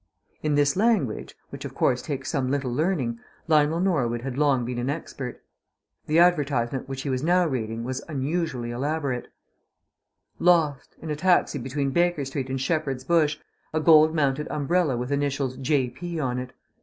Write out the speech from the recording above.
In this language which, of course, takes some little learning Lionel Norwood had long been an expert. The advertisement which he was now reading was unusually elaborate: "Lost, in a taxi between Baker Street and Shepherd's Bush, a gold mounted umbrella with initials 'J. P.' on it.